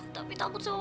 tapi takut sama bapak